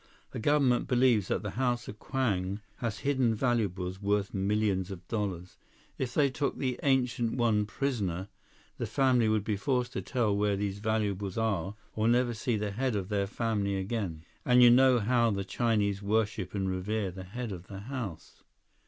The government believes that the House of Kwang has hidden valuables worth millions of dollars. If they took the Ancient One prisoner, the family would be forced to tell where these valuables are or never see the head of their family again. And you know how the Chinese worship and revere the head of the house."